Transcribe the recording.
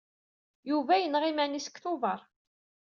Yuba yenɣa iman-is deg Tubeṛ.